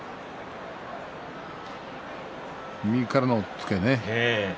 右からの押っつけですね。